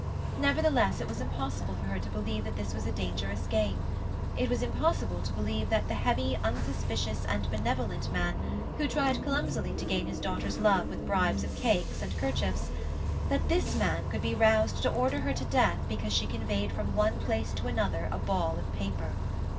Nevertheless, it was impossible for her to believe that this was a dangerous game; it was impossible to believe that the heavy, unsuspicious and benevolent man who tried clumsily to gain his daughter's love with bribes of cakes and kerchiefs that this man could be roused to order her to her death because she conveyed from one place to another a ball of paper.